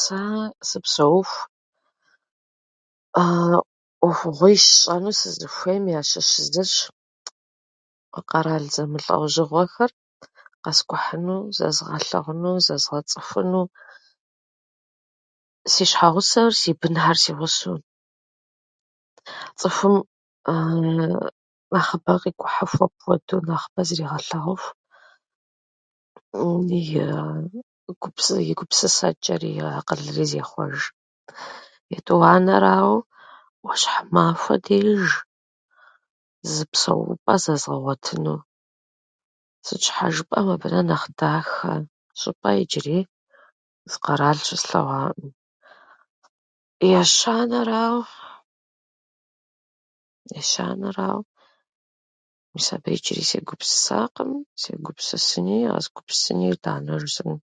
Сэ сыпсэуху ӏуэхугъуищ сщӏэну сызыхуейм ящыщ зыщ къэрал зэмылӏэужьыгъуэхэр къэскӏухьыну, зэзгъэлъэгъуну, зэзгъэцӏыхуну, си щхьэгъусэр, си бынхэр си гъусэу. Цӏыхум нэхъыбэ къикӏухьыху, апхуэдэу нэхъыбэ зригъэлъэгъуху и гупс- и гупсысэчӏэри, и акъылри зехъуэж. Етӏуанэрауэ, ӏуащхьэмахуэ деж зы псэупӏэ зэзгъэгъуэтыну. Сыт щхьа жыпӏэмэ, абы нэхъ нэхъ дахэ щӏыпӏэ иджыри зы къэрал щыслъэгъуакъым. ещанэрауэ- Ещанэрауэ, мис абы иджыри сегупсысакъым. Сегупсысыни, къэзгупсысыни, мис итӏанэ жысӏэн.